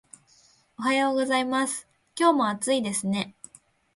おはようございます。今日も暑いですね